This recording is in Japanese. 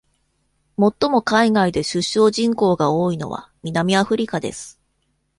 最も海外で出生人口が多いのは南アフリカです。